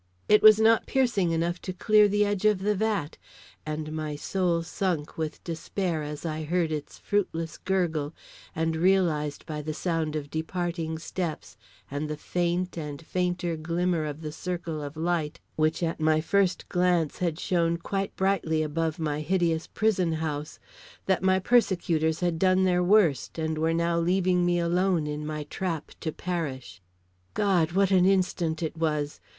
It was not piercing enough to clear the edge of the vat, and my soul sunk with despair as I heard its fruitless gurgle and realized by the sound of departing steps, and the faint and fainter glimmer of the circle of light which at my first glance had shone quite brightly above my hideous prison house, that my persecutors had done their worst and were now leaving me alone in my trap to perish. God! what an instant it was!